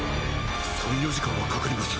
３４時間はかかります。